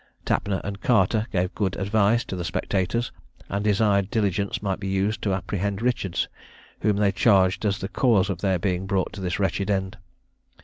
Tapner and Carter gave good advice to the spectators, and desired diligence might be used to apprehend Richards, whom they charged as the cause of their being brought to this wretched end.